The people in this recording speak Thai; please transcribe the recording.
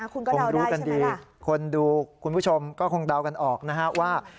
คงรู้กันดีคนดูคุณผู้ชมก็คงเดากันออกนะฮะว่า